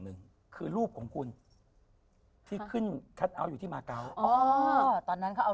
หนึ่งคือรูปของคุณที่ขึ้นคัทเอาท์อยู่ที่มาเกาะอ๋อตอนนั้นเขาเอา